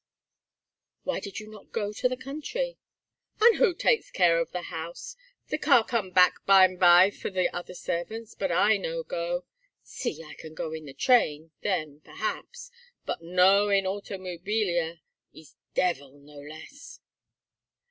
"Why did you not go to the country?" "And who take care the house? The car come back bime by for the other servants, but I no go. Si, I can go in the train then perhaps. But no in automobilia. Is devil, no less."